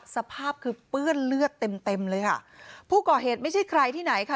สภาพคือเปื้อนเลือดเต็มเต็มเลยค่ะผู้ก่อเหตุไม่ใช่ใครที่ไหนค่ะ